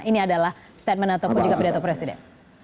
ini adalah statement atau penjaga pidato presiden